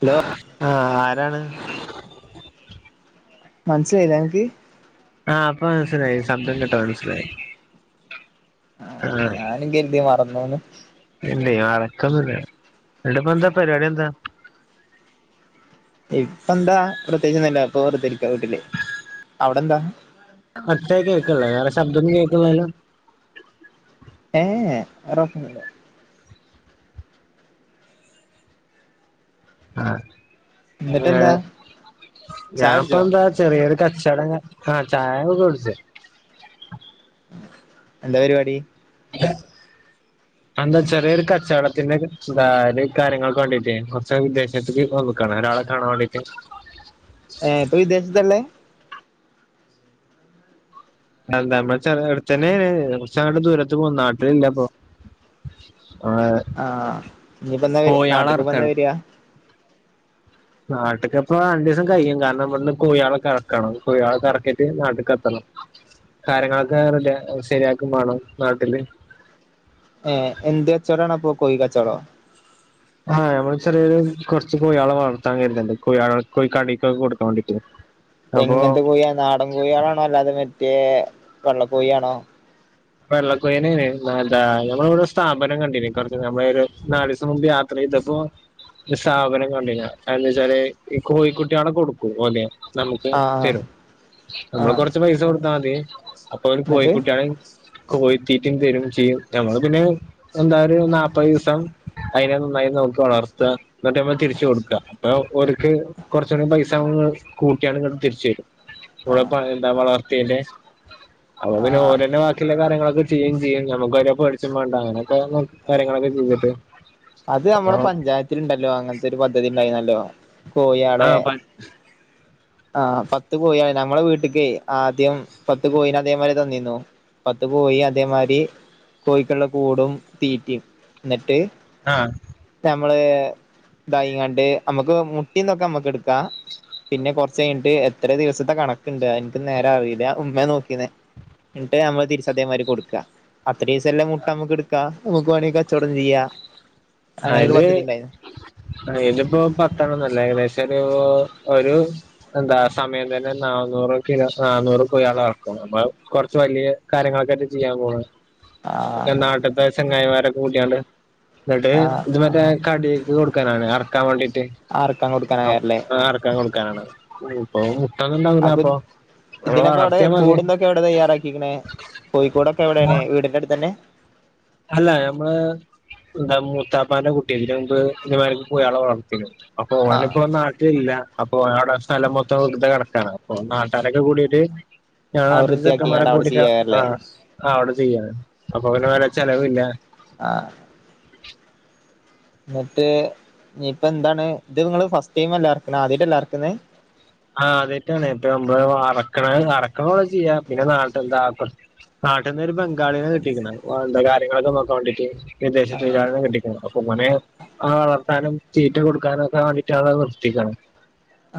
Hello ആഹ് ആരാണ് മനസിലായില്ല അനക്ക് ആഹ് അപ്പ മനസ്സിലായി ശബ്ദം കേട്ട മനസ്സിലായി ഞാനും കര്തി മറന്നോന്ന് ഇല്ല അറക്കൊന്നുല്ല എന്നിട്ട് ഇപ്പ എന്താ പരിപാടി എന്താ ഇപ്പ എന്താ പ്രത്യേകിച്ച് ഒന്നുല്ല ഇപ്പ വെറുതെ ഇരിക്ക വീട്ടില് അവിടെ എന്താ അറ്റേ കേൾക്കുള്ളേ വേറെ ശബ്ദൊന്നും കേൾക്കണില്ലാല്ലോ ഏഹ് വേറെ ഒന്നും ഇല്ല എന്നിട്ടെന്താ ആഹ് ഞാ ചായ കുടിച്ചോ ഇപ്പം ന്താ ചെറിയൊരു കച്ചവടം അങ്ങ ആഹ് ചായൊക്കെ കുടിച്ചു എന്താ പരിപാടി എന്താ ചെറിയൊരു കച്ചോടത്തിന്റെ എന്താ ഒരു കാര്യങ്ങൊക്കെ വേണ്ടിട്ടേ കുറച്ച് വിദേശത്തക്ക് വന്നു കാണാൻ ഒരാളെ കാണാൻ വേണ്ടീട്ട് ഏഹ് ഇപ്പൊ വിദേശത്താ ള്ളേ [unintelligible] ചെന്നൈ കുറച്ച് [unintelligible] ദൂരത്ത് പോകും നാട്ടില്ല അപ്പൊ [unintelligible] ആഹ് ഇനീപ്പം എന്നാ വരി കോഴിയാളെ നാട്ട്ക്ക് ഇറക്കാണ് എന്നാ വരിയാ നാട്ട്ക്ക് എപ്പള രണ്ടു ദിവസം കഴിയും കാരണം ഇവിടുന്ന് കൊഴിയാളെ ഇറക്കണം കൊഴിയാളെ ഇറക്കിയിട്ട് നാട്ട്ക്ക് എത്തണം കാര്യങ്ങളൊക്കെ റെഡി ശരിയാക്കും വേണം നാട്ടില് ഏഹ് എന്ത് കച്ചോടാണപ്പൊ കൊയി കച്ചോടോ ആഹ് നമ്മള് ചെറിയൊരു കുറച്ച് കോഴിയാളെ വളർത്താൻ കരുതുന്നുണ്ട് കൊയാളെ കടെലൊക്കെ കൊടുക്കാൻ വേണ്ടിയിട്ട് എങ്ങനത്തെ കോഴാ നാടൻ കോഴികളാണോ അല്ലാതെ മറ്റേ വെള്ളക്കോഴിയാണോ വെള്ളക്കോയിനെ ന്നെ എന്താ നമ്മള് ഇവിടെ സ്ഥാപനം കണ്ടീന് കൊറച്ച് നമ്മള് ഒരു നാലീസം മുമ്പ് അത്ര ഇതപ്പോ ഒരു സ്ഥാപനം കണ്ടീനൂ അതെന്താവെച്ചാല് ഈ കോഴിക്കുട്ടികളെ കൊടുക്കൂ ലെ നമുക്ക് ആ തരും ആ ആ നമ്മള് കൊറച്ച് പൈസ കൊടുത്താ മതി അപ്പൊ ഓര് എന്നിട്ട് കോഴിക്കുട്ടിയാളെയും കോഴത്തീറ്റും തരും ചെയ്യും ഞമ്മള് പിന്നെ എന്താ ഒരു നാല്പ്പത് ദിസം അതിനെ നന്നായി നമുക്ക് വളർത്ത എന്നിട്ടമ്മ തിരിച്ചു കൊടുക്ക അപ്പൊ ഓര്ക്ക് കുറച്ച് കൂടി പൈസ കൂട്ടിയങ്ങട് തിരിച്ചു തരും ആ [unintelligible] എന്താ വളർത്തിയെൻ്റെ അപ്പ പിന്നെ ആ ഓരന്നെ ക്കിയുള്ള കാര്യങ്ങളൊക്കെ ചെയ്യും ചെയ്യും നമുക്ക് ഒന്നും പേടിച്ചേം വേണ്ട അങ്ങനെയൊക്കെ കാര്യങ്ങളൊക്കെ ചെയ്തിട്ട് അത് അപ്പൊ നമ്മുടെ പഞ്ചായത്തിൽ ഉണ്ടല്ലോ അങ്ങനത്തെ ഒരു പദ്ധതി ഉണ്ടായിരുന്നല്ലോ കോഴിയളെ ആ [inaudible] ആഹ് പത്ത് കോഴാന് ഞമ്മെ വീട്ടക്ക് ആദ്യം പത്ത് കോഴന് അദ്യം വരെ തന്നിന്നു പത്ത് പോയി അതേമാതിരി കോഴിക്കുള്ള കൂടും തീറ്റിയും എന്നിട്ട് ആഹ് നമ്മള് ദൈങ്ങാണ്ട് നമ്മുക്ക് മുട്ടീന്നൊക്കെ നമ്മുക്ക് എടുക്കാം പിന്നെ കൊറച്ച കഴിഞ്ഞിട്ട് എത്ര ദിവസത്തെ കണക്കുണ്ട് എനക്ക് നേരം അറിയില്ല ഉമ്മ നോക്കീന്നേ എന്നിട്ട് നമ്മള് തിരിച്ച അധേമാര് കൊടുക്കുക അത്ര ദിവസംല്ലാം മുട്ട നമ്മുക്ക് എടുക്ക നമക്ക് വേണമെങ്കിൽ കച്ചവടം ചെയ്യാം ആഹ് അങ്ങനെ ഒരു ഇത് പദ്ധതി ഉണ്ടായിരുന്നു ഇതിപ്പോ പത്തെണ്ണന്നല്ലേ ഏകദേശം ഒരു ഒരു എന്താ സമയം തന്നെ നന്നൂറ് കിലോ നന്നൂറ് പോയ ആള ഇറക്കും നമ്മ കൊറച്ച് വല്യ കാര്യങ്ങളൊക്കെെട്ട് ചെയ്യാൻ പോന് ആ നാട്ടത്തെ ചെങ്ങായിമാരൊക്കെ കൂട്ടിയണ്ട് എന്ട്ട് ആഹ് മറ്റേ കടിയക്ക് കൊടുക്കാനാണ് റക്കാൻ വേണ്ടിട്ട് ആർക്കാൻ കൊടുക്കാനായല്ലേ റക്കാൻ കൊടുക്കാനാണ് ഉം ഇപ്പ അപ്പൊ മുട്ടന്നണ്ടാവുന്നപ്പൊ ഇതിനപ്പോ എവിടെ കൂടന്തൊക്കെ എവിടെ തയ്യാറാക്കീക്കണേ? കോഴിക്കൂടൊക്കെ എവിടേണ്? വീടിന്റെ അട്ത്തന്നെ? അല്ല ഞമ്മള്, എന്താ മൂത്താപ്പാന്റെ കുട്ടി ഇതിന് മുമ്പ് ദുബായിലേക്ക് പോയി. അയാളാ വളർത്തീക്ക്ണ്‌. അപ്പൊ ആഹ് ഓനിപ്പോ നാട്ടിലില്ല. അപ്പൊ അവിടെ സ്ഥലം മൊത്തം വെറ്തെ കെടക്കാണ്. അപ്പൊ നാട്ടാരൊക്കെ കൂടീട്ട് ഞാൻ അത് നാട്ട്ത്തെ ചെക്കന്മാരെ വൃത്തിയാക്കിങ്ങാണ്ട് അവിടെ കൂട്ടിയിട്ട്, ചെയ്യാറല്ലേ ആഹ് ആഹ് അവിടെ ചെയ്യാണ്. അപ്പൊ അവന് വേറെ ചെലവില്ല. ആഹ് എന്നിട്ട് ഇനിയിപ്പ എന്താണ്, ഇത് നിങ്ങള് ഫസ്റ്റ് ടൈം അല്ല എറക്കണേ? ആദ്യായിട്ടല്ല എറക്ക്ന്ന്? ആഹ് ആദ്യായിട്ടാണ്. ഇപ്പൊ അമ്മളെ അറക്കണ അറക്കണോലെ ചെയ്യാം. പിന്നെ നാട്ടെന്താ നാട്ടിൽന്നൊ ഒരു ബംഗാളിന്നെ കിട്ടിക്കുന്നത് എന്ത കാര്യങ്ങളൊക്കെ നോക്കാ വേണ്ടിട്ട് വിദേശ കിട്ട അപ്പൊ [unintelligible] ആളെ വളർത്താനും തീറ്റ കൊടുക്കാനും ഒക്കെ വേണ്ടിട്ട് ആളെ നിർത്തിക്കണം.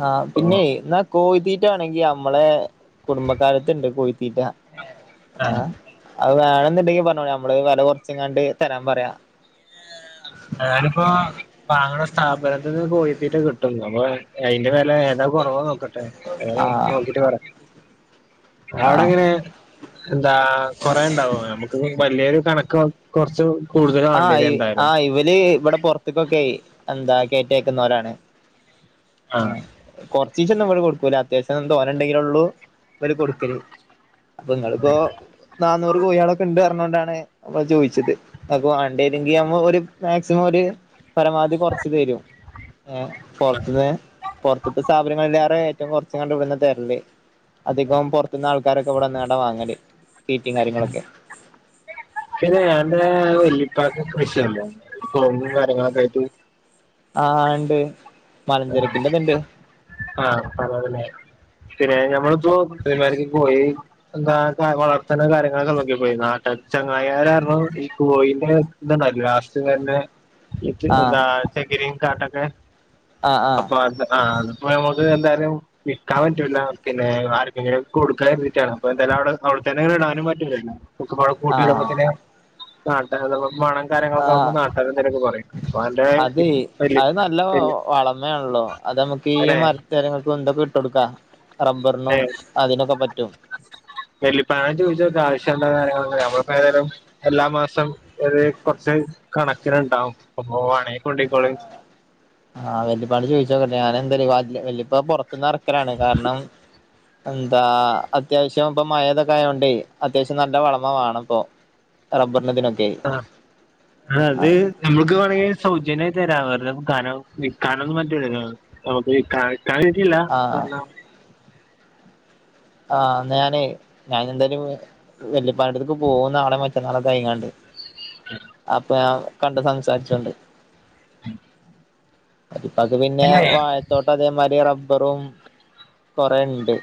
ആഹ് പിന്നെയ്, എന്നാ കോയ്തീ റ്റാണെങ്കി അമ്മളെ കുടുംബക്കാരട്ത്ത്ണ്ട് കോയിത്തീറ്റ. ഏഹ്? അത് വേണെന്ന്ണ്ടെങ്കി പറഞ്ഞോ. ഞമ്മള് വെല കൊറച്ച്ങ്ങാണ്ട് തരാൻ പറയാ. ഏതായാലു ഇപ്പൊ വാങ്ങണ സ്ഥാപനത്ത്‌ന്ന് കോഴിത്തീറ്റ കിട്ടും. അപ്പൊ അതിന്റെ വെല ഏതാ കൊറവ് നോക്കട്ടെ. ഏതാ ആഹ് നോക്കീട്ട് പറ. ആടെങ്ങനെ? ആഹ് എന്താ കൊറേ ഇണ്ടാവോ? നമ്ക്ക് വലിയൊരു കണക്ക് കൊറച്ച് കൂടുതൽ വേണ്ടി ആഹ് വരും ഈ. എന്തായാലും ആഹ് ഇവല് ഇവിടെ പൊറ ക്കൊക്കെ എന്താ കേറ്റയ്ക്കുന്നോരാണ്. ആഹ് മ്മ് കൊറച്ചീച്ചെയൊന്നു അമ്മള് കൊടുക്കൂല. അത്യാവശ്യം തോനെ ഇണ്ടെങ്കിലെ ഇള്ളൂ അവര് കൊടുക്കല് അപ്പൊ നിങ്ങളിപ്പോ നാന്നൂറ് കോഴികളൊക്കെ ഇണ്ട് പറഞ്ഞ കൊണ്ടാണ് അമ്മള് ചോദിച്ചത്. അപ്പൊ അണ്ടേലെങ്കി ആവ്മ്പോ ഒരു മാക്സിമം ഒര് പരമാവധി കൊറച്ച് തരും ഏഹ്? പൊറത്ത്‌ന്ന്. പൊറത്ത്ത്തെ സ്ഥാപനങ്ങളല്ലാതെ ഏറ്റവും കൊറച്ച്ങ്ങാണ്ട് ഇവിട്ന്ന തരല്. അധികം പൊറ ത്ത്ന്ന് ആൾക്കാരൊക്കെ ഇവിടെ വന്ന്ങ്ങാണ്ടാ വാങ്ങല്. തീറ്റയും കാര്യങ്ങളൊക്കെ. പിന്നെ അന്റെ വല്ലിപ്പാക്ക് കൃഷിയല്ലേ? കെഴങ്ങും കാര്യങ്ങളൊക്കെ ആയിട്ട്? ആഹ് ഇണ്ട്. ആഹ്. മലഞ്ചരക്കിന്റെതുണ്ട് ആഹ് അതാണ്ല്ലേ? പിന്നെ ഞമ്മളിപ്പോ പെരുമാനിക്കേക്ക് പോയി എന്താ വളർത്തണ കാര്യങ്ങളൊക്കെ നോക്കിപ്പോയി. നാട്ട, ചങ്ങായിമാര് കാരണം ഈ കോയീന്റെ ഇത്ണ്ടാവില്ലെ ലാസ്റ്റിംഗ് വയറിന്റെ ഇത് ആഹ് എന്താ, ചകിരിയും കാട്ടക്കെ ആഹ് അപ്പൊ ആഹ് അത്, ആഹ് അതിപ്പോ നമുക്ക് എന്തായാലും വിക്കാൻ പറ്റൂല്ല. പിന്നെ ആര് എങ്ങനെ കൊട്ക്കാൻ വേണ്ടീട്ടാണ്. അപ്പൊ എന്തായാലും അവിടെ അവിടെത്തന്നെ ഇടാനും പറ്റൂലല്ലോ. നോക്കുമ്പ കൂട്ടിടുമ്പോ ആഹ് തന്നെ നാട്ടാര്ടെ മണം കാര്യങ്ങളൊക്കെ ആകുമ്പോ ആഹ് നാട്ട്കാര് എന്തേലൊക്കെ പറയും. വേണ്ടേ [unintelligible] ഇമ്മയാണല്ലോ. അത് അമ്മക്കീ മരത്തേരങ്ങൾക്ക് എന്തക്കെ ഇട്ട് കൊട്ക്കാ. റബ്ബർനും അതിനൊക്കെ പറ്റും. വല്ലിപ്പാനോട് ചോദിച്ചോക്ക് ആവശ്യള്ള കാര്യങ്ങള്‌. നമ്മളിപ്പോ ഏതായാലും എല്ലാ മാസം അത് കൊറച്ച് കണക്കിന്ണ്ടാവും. അപ്പൊ വേണെ കൊണ്ടോയിക്കോളീ. ആഹ് വല്ലിപ്പാട് ചോയിച്ചോക്കട്ടെ ഞാൻ എന്തല്. വല്ലിപ്പ പൊറത്ത്ന്ന് എറക്കലാണ്. കാരണം എന്താ അത്യാവശ്യം ഇപ്പ മഴ ഇതൊക്കെ ആയോണ്ടേ, അത്യാവശ്യം നല്ല വളമ്മെ വേണ ഇപ്പൊ. റബ്ബർനതിനും ആഹ് അത് ഞമ്മൾക്ക് വേണങ്കി സൗജന്യായി തരാ. വെറ്തെ കനം വിക്കാനൊന്നും പറ്റൂലല്ലോ. നമ്ക്ക് കാഴ് ക്കായിട്ടില്ല. ആഹ് കാരണം ആഹ് ന്നാ ഞാനെ ഞാനെന്തായാലും വെല്ലിപ്പാന്റട്ത്ത്ക്ക് പോവൂ നാളെയൊ മ റ്റന്നാളോക്കെ ആയിങ്ങാണ്ട്. അപ്പൊ ഞാ കണ്ട് സംസാരിച്ചോണ്ട്. അ വല്ലിപ്പാക്ക് പിന്നെ വാ തോട്ടം അതേ മാരി റബ്ബറും കൊറേ ഇണ്ട്.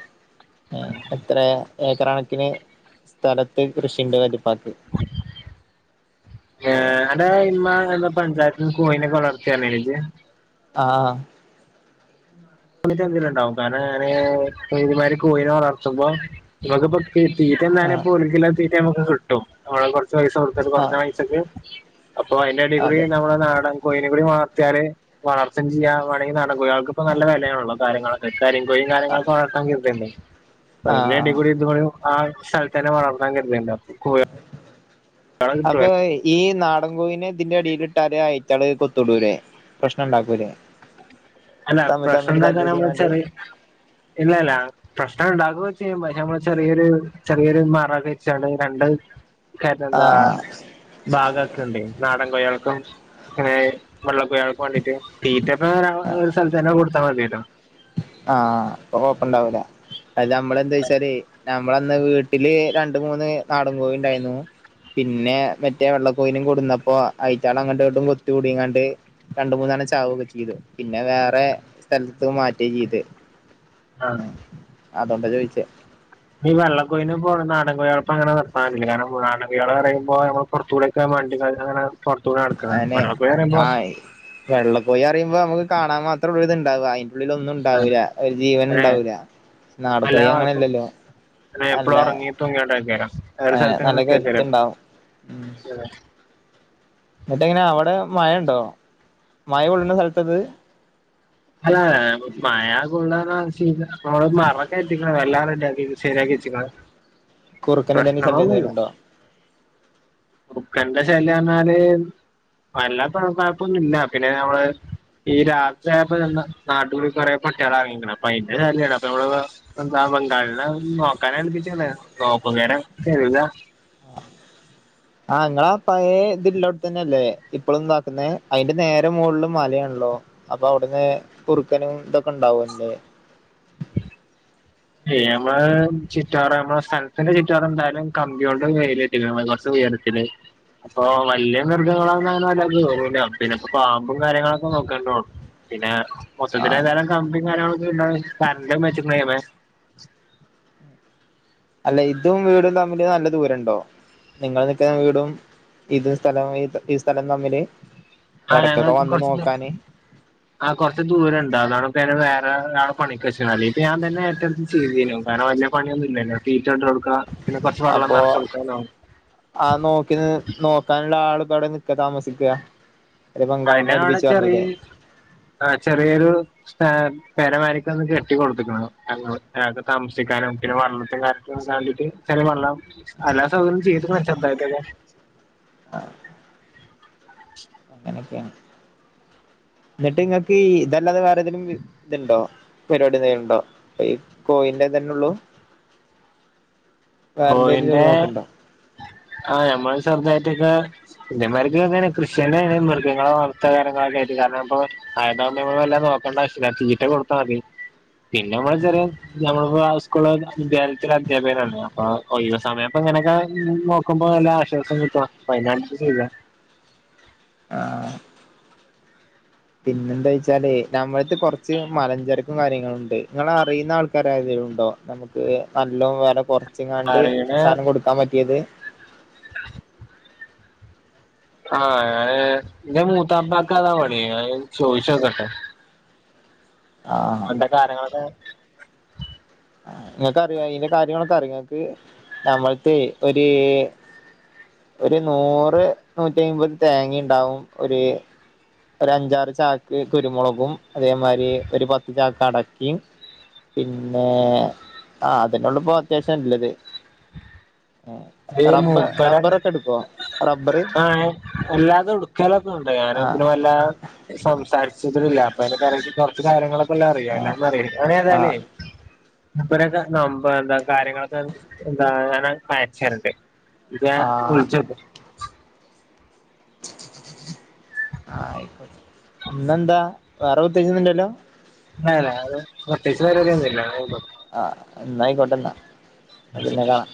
ഏഹ് ഇത്രേ ഏക്കർ കണക്കിന് സ്ഥലത്ത് കൃഷിയുണ്ട് വലിപ്പാക്ക് ഏഹ് അടെ ഇമ്മ എന്താ പഞ്ചായത്തിന്ന് കോയിനെക്കെ വളർത്തി പറഞ്ഞില്ലേ ഇജ്ജ് ആഹ് [unintelligible] ഉണ്ടാവും കാരണം ഞാന് കോയിമാര് കോയിനാ വളർത്തുമ്പോ നമ്മക്കിപ്പ ഇപ്പ ഈ തീറ്റ തിന്നാന് ആഹ് ഇപോ ഒര് കിലോ തീറ്റ നമ്മക്ക് കിട്ടും നമ്മള് കൊറച്ച് പൈസ കൊടുത്തിട്ട് കൊറഞ്ഞ ആഹ് പൈസക്ക് അപ്പൊ അതിന്റെ എടേ കൂടി അതെ നമ്മുടെ നാടൻ കോഴിനെ കൂടി വളർത്തിയാല് വളർത്തെം ചെയ്യാം വെണങ്കി ന ഇപ്പ കോഴിയൾക്കിപ്പോ നല്ല വെലയാണല്ലോ കാര്യങ്ങള് ഇപ്പ കരിങ്കോഴീം ആഹ് കര്യങ്ങളൊക്കെ [unintelligible] അപ്പ അതിന്റെ എടേ ആഹ് കൂടി ഇതുങ്കൂടെ ആഹ് സ്ഥലത്തന്നെ വളർത്താൻ കര്തണ്ടോ കോയിവ അപ്പൊ ഈ നാടൻകോയിനെ ഇതിന്റെ എടേല് ഇട്ടാല് അയിത്തള് കൊത്തു കൂടൂലെ പ്രശ്നണ്ടാക്കൂലേ അല്ല പ്രശ്നം ഉണ്ടാക്കാന എന്ന് തല്ലിടിങ്ങാണ്ട് വെച്ചാല് ഇല്ലല്ല പ്രശ്നം ഉണ്ടാക്കുവേക്ക ചെയ്യും പക്ഷേ നമ്മള് ചെറിയൊരു ചെറിയൊരു മറക് വെച്ചാണ് രണ്ട് കയറ്റെണ്ടാ ആഹ് ഭാഗൊക്കെ ഉണ്ടേ നാടൻ കോയൾക്കും ഏഹ് വെള്ള കോഴിയൾക്ക് വേണ്ടീട്ട് തീറ്റ ഇപ്പ ഒരു സ്ഥലത്തന്നെ കൊടുത്താൽ മതിയല്ലോ ആഹ് അപ്പൊ കൊഴപ്പണ്ടാവൂല അത് നമ്മള് എന്ത് വെച്ചാല് ഞമ്മളന്ന് വീട്ടില് രണ്ട് മൂന്ന് നാടൻ കോഴി ഉണ്ടായിരുന്നു പിന്നെ മറ്റേ വെള്ളക്കോയിനേം കൊടുന്നപ്പോൾ അയിറ്റകൾ അങ്ങോട്ടും ഇങ്ങോട്ടും കൊത്ത് കൂടിങ്ങാണ്ട് രണ്ട് മൂന്നെണ്ണം ചാവൊക്കെ ചെയ്തു പിന്നെ വേറെ സ്ഥലത്തത്ത് മാറ്റുക ചെയ്തെ ആഹ് അതൊണ്ടാ ചോദിച്ചേ ഈ വെള്ളക്കോയിനൊപ്പം നടൻകോഴികളെ ഇപ്പ അങ്ങനെ നിർത്താറില്ല കാരണം നാടൻകോഴികള് പറയുമ്പോ അത് നമ്മള് കൊറച്ചുടെക്കെ [unintelligible] അങ്ങനെ പൊറത്തൂടെ നടക്കണ് വെള്ള കോഴി പറയുമ്പോ വെള്ള കോയി പറയുമ്പോ നമുക്ക് കാണാൻ മാത്രം ഒരിത് ഇണ്ടാവ അയ് ഉള്ളില് ഒന്നും ഉണ്ടാവൂല ഒരു ജീവന് അങ്ങനെ ഉണ്ടാവൂല നാടൻ കോഴി അങ്ങനെ അല്ല അല്ലല്ലോ അല്ല എപ്പളും ഉറങ്ങീട്ടും ഇങ്ങോട്ടേക്കാരം വേറെ അതിന് സ്ഥലത്ത്ങ്ങനെ നല്ല നിക്കേക്കാരം കരുത്തുണ്ടാവും മ്ഹ് എന്നിട്ട് എങ്ങനാ അവിടെ മഴ ഉണ്ടോ മഴ കൊള്ളുന്ന സ്ഥലത്താ ഇത് അല്ല മഴ കൊള്ളണ [unintelligible] അപ്പൊ മറ കെട്ടീക്കണ് എല്ലാം റെഡി ആക്കീക്ക് ശരിയാക്കി വച്ചിക്കണ് കുറുക്കനെ തന്നെ ശല്യം എന്തേലും പ്രശ്നങ്ങളൊന്നൂല്ല ഉണ്ടോ കുറുക്കന്റെ ശല്യം പറഞ്ഞാല് നല്ല [unintelligible] ഇല്ല പിന്നെ നമ്മള് ഈ രാത്രി ആയ അപ്പൊ ഇത് എന്താ നാട്ടൂര് കൊറെ പട്ടികള് എറങ്ങിയേക്കണ് അപ്പ അയിന്റെ [unintelligible] എന്താ ബംഗാളിനെ നോക്കാന് ഏൽപ്പിച്ചിരുന്നു നോക്കും നേരം കഴുകാ ആഹ് നിങ്ങളാ പഴയ ഇതില്ലാം അവ്ടെ തന്നെയല്ലേ ഇപ്പളും ഇതാക്കുന്നേ അതിന്റെ നേരെ മൊളിൽ മലയാണല്ലോ അപ്പൊ അവിടുന്ന് കുറുക്കനും ഇതൊക്കെ ഉണ്ടാവൊല്ലേ [unintelligible] നമ്മളാ ചുറ്റാറ നമ്മള സ്ഥലത്തിന്റെ ചുറ്റ് പാടും എന്തായാലും കമ്പി കൊണ്ട് വേലി ഇല്ല അമ്മള കൊറച്ച് ഉയരത്തില് അപ്പൊ വല്യ മൃഗങ്ങളാന്നും അങ്ങനെ വല്ലാ കേറൂല പിന്നെ ഇപ്പ പാമ്പും കാര്യങ്ങളൊക്കെ നോക്കാണ്ടൂ പിന്നെ ആ മൊത്തത്തിലേതായാലും കമ്പിയും കാര്യങ്ങളൊക്കെ ഇണ്ടാകും കറണ്ടും [unintelligible] അല്ല ഇതും വീടും തമ്മില് നല്ല ദൂരണ്ടോ നിങ്ങള് നിക്കുന്ന വീടും ഇത് സ്ഥലം ഇത് ഈ സ്ഥലം തമ്മില് എടക്കൊക്കെ വന്ന് നോക്കാന് ആഹ് കൊറച്ച് ദൂരണ്ട് അതാണ്പ്പ ഞങ്ങള് വേറെ ഒരാളെ പണിക്ക് വെച്ചേക്കണേ അല്ലെങ്കി ഇപ്പ ഞാൻ തന്നെ ഏറ്റടുത്ത് ചെയ്തീനു കാരണം [unintelligible] പണിയൊന്നുല്ലല്ലോ തീറ്റട്ടൊടുക്കാ പിന്നെ കൊറച്ച് വെള്ളം നെറച്ചൊട്ക്കാനോ ആഹ് നോക്കി നോക്കാനുള്ള ആള്പ്പോ എവടെ നിക്കാ താമസിക്ക അയിന് അവിടെ ചെറീ ആഹ് ചെറിയൊരു സ്പേ പെരമാരിക്ക് അത് കെട്ടി കൊടുത്ത്ക്ക്ണ് [unintelligible] അയാൾക് താമസിക്കാനും പിന്നെ വള്ളത്തിനും കാര്യത്തിനും വേണ്ടിട്ട് ചെറിയ വള്ളം എല്ലാ സൗകര്യം ചെയ്ത്ക്കണ് ചെറുതായിട്ടൊക്കെ ആഹ് അങ്ങനെയൊക്കെയാണ് ന്നിട്ട് ങ്ങക്ക് ഇതല്ലാതെ വേറെ എന്തേലും ഇതുണ്ടോ പരിപാടിന്തേലുണ്ടോ ഈ കോയിന്റെ തന്നെള്ളു കോയിന്റെ ആഹ് ഞമ്മള് ചെറുതായിട്ടൊ ഇന്റെമായിരിക്ക് ഇങ്ങനെ കൃഷ്യന്നെണ് മൃഗങ്ങളെ വള ഇത്തകരങ്ങളൊക്ക ആയിട്ട് കാരണം അപ്പോ മഴടാവുമ്പോ നമ്മക്ക് വല്ലാതെ നോക്കേണ്ട ആവശ്യല്ല തീറ്റ കൊടുത്താ മതി പിന്നെ മ്മള് ചെറിയ നമ്മളിപ്പോ സ്കൂൾലൊക്കെ വിദ്യാലയത്തിലെ അധ്യാപകനല്ലേ ആഹ് ഒഴിവ് സമയപ്പൊങ്ങനെയൊക്കെ നോക്കുമ്പോ നല്ല ആശ്വാസം കിട്ടും അയിനനുസരിച്ച് നിന്നാ ആഹ് പിന്നെന്താ വെച്ചാല് നഞമ്മടുത്തെ കുറച്ച് മലഞ്ചരക്കും കാര്യങ്ങളുംണ്ട് നിങ്ങള് അറിയുന്ന ആൾക്കാര തിങ്കലും ഉണ്ടോ നമുക്ക് നല്ലോം വേറെ കൊറച്ച്ങ്ങാണ്ട് അറിയണ സാനം കൊടുക്കാൻ പറ്റിയത് ആഹ് ഞാന് ഇന്റെ മൂത്താപ്പാക്കതാ പണി ഞാൻ [unintelligible] ചോയിച്ചോക്കട്ടെ ആഹ് അവന്റെ കാര്യങ്ങളൊക്കെ ങ്ങക്കറിയോ അയിന്റെ കാര്യങ്ങളൊക്കെ അറിയോ ങ്ങക്ക് തമിഴ്തോ ഒര് ഒരു നൂറ് നൂറ്റിയ്മ്പത് തേങ്ങീണ്ടാവും ഒര് ഒരഞ്ചാറ് ചാക്ക് കുരുമൊളകും അതേമായിരി ഒര് പത്ത് ചാക്ക് അടക്കിം പിന്നെ ആഹ് അതെന്നെള്ളുപ്പോ അത്യാവശ്യംല്ലത്. അഹ് മൂപ്പരെ എടുക്കോ റബ്ബറ് ആഹ് അല്ലാതെടു [unintelligible] ഞാന് ആ തിരുവല്ല സംസാരിച്ചിട്ടില്ല അപ്പൊ അയിനക്കറിച്ച് കൊറച്ച് കാര്യങ്ങളൊക്കെല്ലാം അറിയാ ആ അല്ലാതൊന്നും അറീണില്ല ഞാൻ ആ ഏതായാലേ അമുപ്പരൊക്കെ നമ്പ എന്താ കാര്യങ്ങളൊക്കെ എന്താ ങ്ങനെ ച്ചണ്ട് പിന്നെ ആ വിളിച്ചോക്ക് ആയിക്കോ ഇന്നെന്താ വേറെ പ്രത്തേകിച്ചൊന്നുല്ലല്ലോ ഇല്ലല്ല അത് പ്രത്യേകിച്ച് പരിപാടി ഒന്നുല്ല ആഹ് എന്നായിക്കോട്ടെന്നാ അഹ് പിന്നെ കാണാം